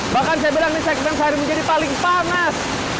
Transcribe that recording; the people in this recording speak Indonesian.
bahkan saya bilang di segmen sehari menjadi paling panas